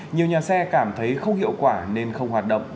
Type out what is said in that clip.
nhiều nhà xe cảm thấy không hiệu quả nên không hoạt động